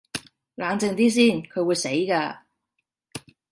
冷靜啲先，佢會死㗎